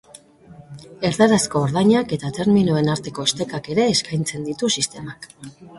Erdarazko ordainak eta terminoen arteko estekak ere eskaintzen ditu sistemak.